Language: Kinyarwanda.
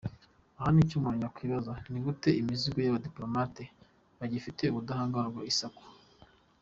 Aha icyo umuntu yakwibaza nigute imizigo y’Abadipolomate bagifite ubudahangarwa isakwa ?